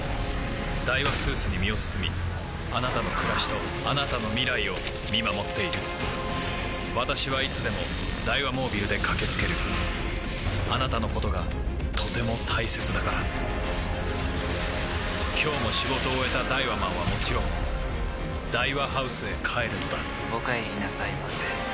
ダイワスーツに身を包みあなたの暮らしとあなたの未来を見守っている私はいつでもダイワモービルで駆け付けるあなたのことがとても大切だから今日も仕事を終えたダイワマンはもちろんダイワハウスへ帰るのだお帰りなさいませ。